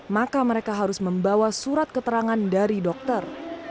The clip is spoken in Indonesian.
maka mereka harus membawa surat keterangan dari dokter